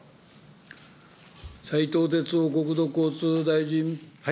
斉藤鉄夫国土交通大臣。